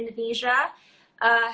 terima kasih cnn indonesia